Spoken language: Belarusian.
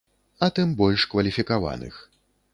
А тым больш кваліфікаваных.